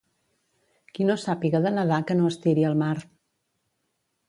Qui no sàpiga de nedar que no es tiri al mar.